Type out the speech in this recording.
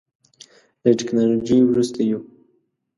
له ټکنالوژۍ وروسته یو.